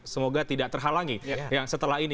semoga tidak terhalangi yang setelah ini